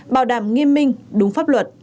bảo đảm nghiêm minh đúng pháp luật